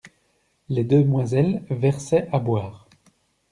Les demoiselles versaient à boire.